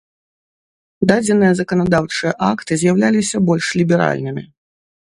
Дадзеныя заканадаўчыя акты з'яўляліся больш ліберальнымі.